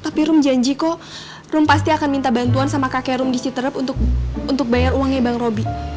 tapi rum janji kok rum pasti akan minta bantuan sama kakek room di citerup untuk bayar uangnya bang roby